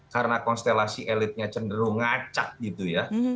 karena konstelasi elitnya cenderung ngacak gitu ya